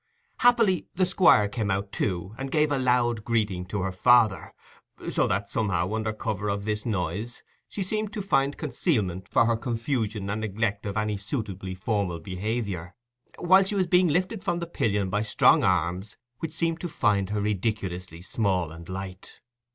Happily, the Squire came out too and gave a loud greeting to her father, so that, somehow, under cover of this noise she seemed to find concealment for her confusion and neglect of any suitably formal behaviour, while she was being lifted from the pillion by strong arms which seemed to find her ridiculously small and light.